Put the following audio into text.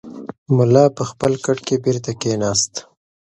ملا په خپل کټ کې بېرته کښېناست.